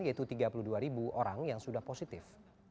yaitu tiga puluh dua ribu orang yang sudah positif